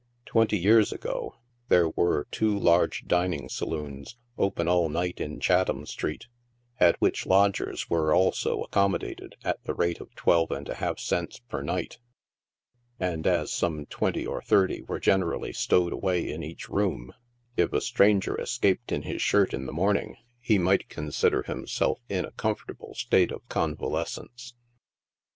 Twenty years ago, there were two large dining saloons open all night in Chatham street, at which lodgers were also accommodated at the rate of twelve and a half cents per niqdit, and as some twenty or thirty were generally stowed uway in each room, if a stranger escaped in his shirt in the morn 78 NIGHT SIDE OF NEW YORK. ing, he might consider himself in a comfortable state of convales cence.